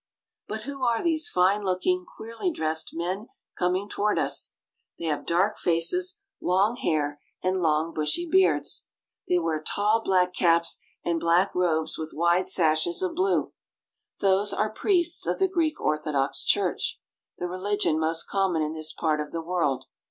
But who are those fine looking, queerly dressed men coming toward us ? They have dark faces, long hair, and ON THE LOWER DANUBE. 307 long bushy beards. They wear tall black caps and black robes with wide sashes of blue. Those are priests of the Greek Orthodox Church, the religion most common in this part of the world.